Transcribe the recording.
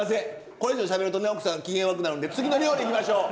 これ以上しゃべるとね奥さん機嫌悪くなるんで次の料理いきましょう。